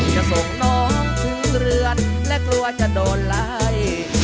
จะส่งน้องถึงเรือนและกลัวจะโดนไล่